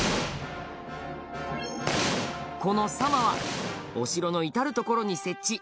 この狭間はお城の至る所に設置